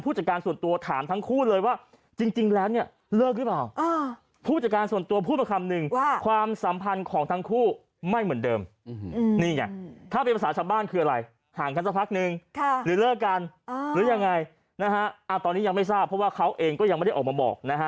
พักหนึ่งหรือเลิกกันหรือยังไงตอนนี้ยังไม่ทราบเพราะว่าเขาเองก็ยังไม่ได้ออกมาบอก